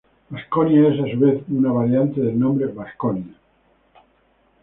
Basconia es a su vez una variante del nombre Vasconia.